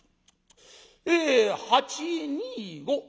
え８２５。